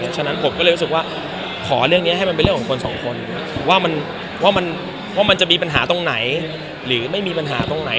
ฉะนั้นผมก็เลยรู้สึกว่าขอเรื่องนี้ให้มันเป็นเรื่องของคนสองคนว่ามันจะมีปัญหาตรงไหนหรือไม่มีปัญหาตรงไหน